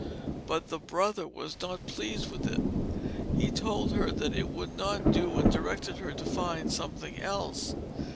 But the brother was not pleased with it; he told her that it would not do and directed her to find something else.